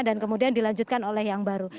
kemudian dilanjutkan oleh yang baru